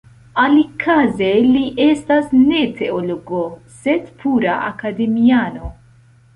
Alikaze li estas ne teologo sed pura akademiano.